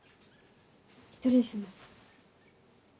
失礼します。